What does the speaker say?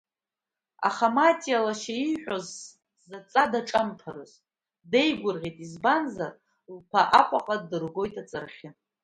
Аха Матиа лашьа ииҳәаз, заҵа даҿамԥарыз, деигәырӷьеит, избанзар, лԥа Аҟәаҟа дыргоит аҵарахьы.